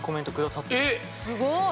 すごい。